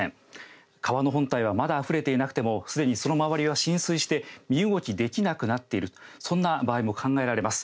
川の本体はまだあふれていなくてもすでにその周りは浸水して身動きできなくなっているそんな場合も考えられます。